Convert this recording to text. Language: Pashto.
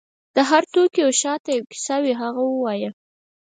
د هر توکي شاته یو کیسه وي، هغه ووایه.